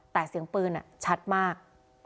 แต่เสียงปืนชัดมาก